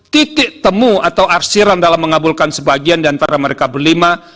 titik temu atau arsiran dalam mengabulkan sebagian diantara mereka berlima